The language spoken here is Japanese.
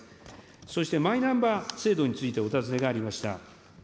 そしてマイナンバー制度についてお尋ねがありました。